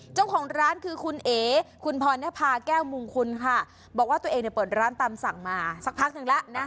เจ้าของร้านคือคุณเอ๋คุณพรณภาแก้วมุงคุณค่ะบอกว่าตัวเองเนี่ยเปิดร้านตามสั่งมาสักพักหนึ่งแล้วนะ